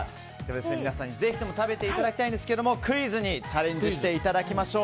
皆さんにぜひとも食べていただきたいんですがクイズにチャレンジしていただきましょう。